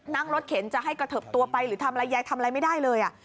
นั่งรถเข็นจะให้กระเทิบตัวไปหรือทำอะไรยายทำอะไรไม่ได้เลย